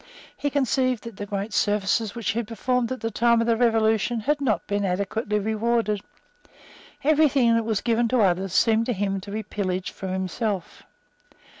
He conceived that the great services which he had performed at the time of the Revolution had not been adequately rewarded. Every thing that was given to others seemed to him to be pillaged from himself.